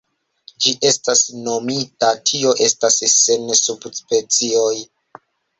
Ĝi estas monotipa, tio estas sen subspecioj.